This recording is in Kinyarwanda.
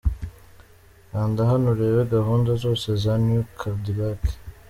Kanda hano ureba gahunda zose za New Cadillac.